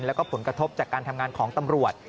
แล้วก็ผลกระทบจากการทำงานของตำรวจ